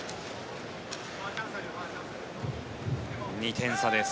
２点差です。